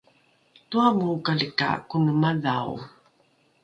toramorokali ka kone madho